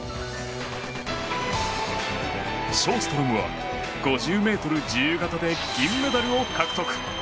ショーストロムは５０ｍ自由形で銀メダルを獲得。